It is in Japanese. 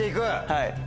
はい。